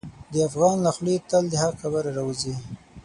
د افغان له خولې تل د حق خبره راوځي.